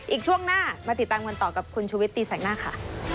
ช่วงหน้ามาติดตามกันต่อกับคุณชุวิตตีแสงหน้าค่ะ